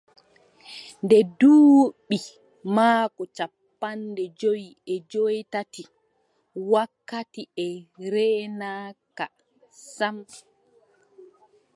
Nde duuɓi maako cappanɗe jowi e joweetati, wakkati e reenaaka sam,